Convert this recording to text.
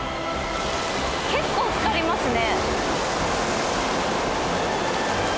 結構つかりますね。